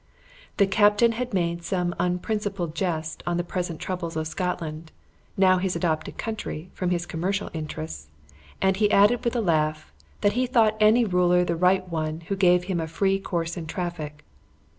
The captain had made some unprincipled jest on the present troubles of Scotland, now his adopted country from his commercial interests, and he added with a laugh, "that he though any ruler the right one who gave him a free course in traffic."